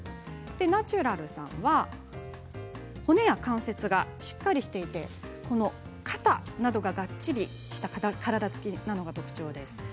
ナチュラルさんは骨や関節がしっかりしていて肩などが、がっちりした体つきなのが特徴です。